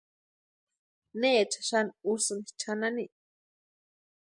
¿Necha xani úsïni chanani?